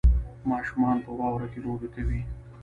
ماشومان په واورو کې لوبې کوي